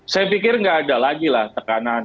saya pikir nggak ada lagi lah tekanan